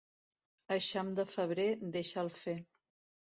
Eixam de febrer, deixa'l fer.